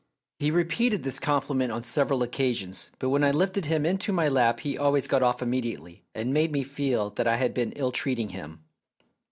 He repeated this compli ment on several occasions, but when I lifted him into my lap he always got off imme diately, and made me feel that I had been ill treating him.